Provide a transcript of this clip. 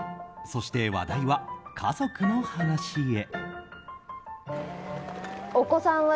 そして、話題は家族の話へ。